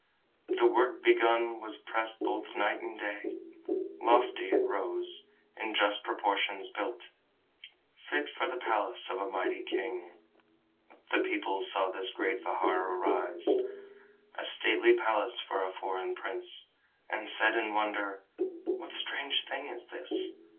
The work begun was pressed both night and day; Lofty it rose, in just proportions built, Fit for the palace of a mighty king. The people saw this great vihara rise, A stately palace for a foreign prince, And said in wonder: "What strange thing is this?